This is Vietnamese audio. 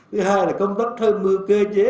thứ hai là công tác thơm mưa kê chế